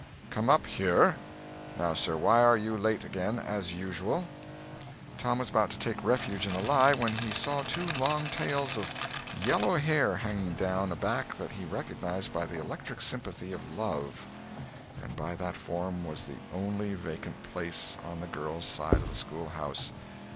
"Come up here. Now, sir, why are you late again, as usual?" Tom was about to take refuge in a lie, when he saw two long tails of yellow hair hanging down a back that he recognized by the electric sympathy of love; and by that form was the only vacant place on the girls' side of the school house.